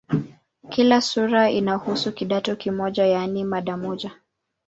Kila sura inahusu "kidato" kimoja, yaani mada moja.